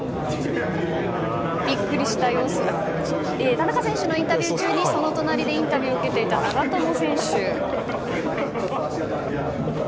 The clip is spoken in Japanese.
田中選手のインタビュー中にその隣でインタビューを受けていた長友選手。